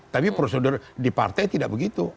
tapi prosedur di partai tidak begitu